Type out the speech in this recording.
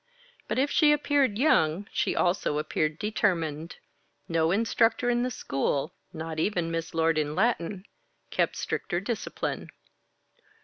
But if she appeared young, she also appeared determined. No instructor in the school, not even Miss Lord in Latin, kept stricter discipline.